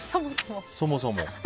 そもそも。